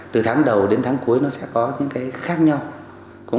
từ tháng đầu đến tháng cuối nó sẽ có những cái khác nhau